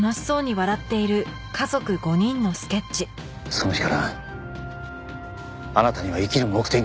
その日からあなたには生きる目的ができた。